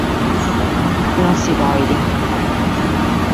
Non si podet!